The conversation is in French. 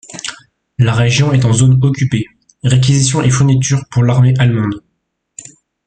La région est en zone occupée, réquisitions et fournitures pour l’armée allemande.